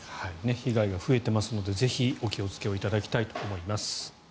被害が増えていますのでぜひお気をつけいただきたいと思います。